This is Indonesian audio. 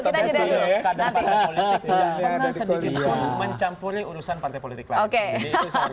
karena partai politik pernah sedikit mencampuri urusan partai politik lain